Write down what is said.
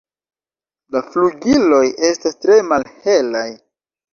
La flugiloj estas tre malhelaj.